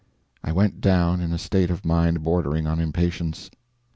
I went down in a state of mind bordering on impatience.